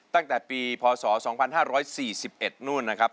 ตั้งแต่ปีพศ๒๕๔๑นู่นนะครับ